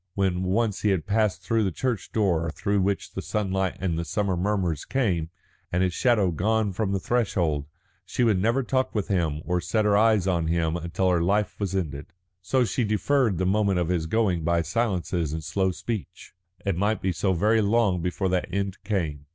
When once he had passed through that church door, through which the sunlight and the summer murmurs came, and his shadow gone from the threshold, she would never talk with him or set her eyes on him until her life was ended. So she deferred the moment of his going by silences and slow speech. It might be so very long before that end came.